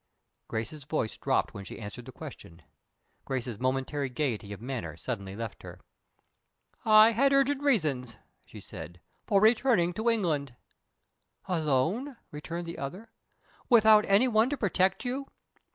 Grace's voice dropped when she answered the question. Grace's momentary gayety of manner suddenly left her. "I had urgent reasons," she said, "for returning to England." "Alone?" rejoined the other. "Without any one to protect you?"